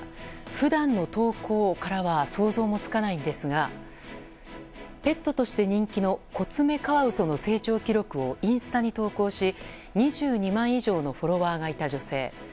普段の投稿からは想像もつかないんですがペットとして人気のコツメカワウソの成長記録をインスタに投稿し、２２万以上のフォロワーがいた女性。